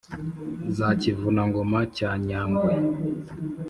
za kivuna-ngoma cya nyangwe